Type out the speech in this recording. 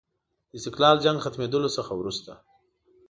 د استقلال جنګ ختمېدلو څخه وروسته.